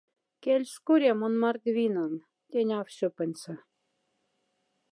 Кяльс коре мон мордвинан, тянь аф сёпондьса.